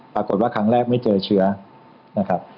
ปรากฏว่าครั้งแรกไม่เจอเชื้อนะครับ